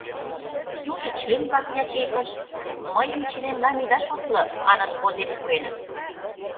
Южо член-влак ячейкыш, мыйым членлан ида шотло манын, возен пуэныт.